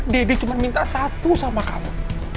deddy cuma minta satu sama kamu